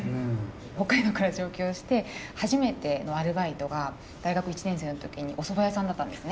北海道から上京して初めてのアルバイトが大学１年生の時にお蕎麦屋さんだったんですね。